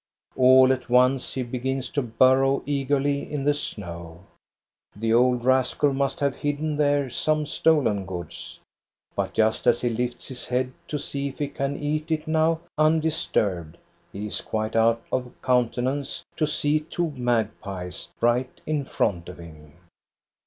All at once he begins to burrow eagerly in the snow. The old rascal must have hidden there some stolen goods. But just as he lifts his head to see if he can eat it now undisturbed, he is quite out of countenance to see two magpies right in front of him.